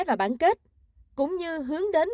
và bản kết cũng như hướng đến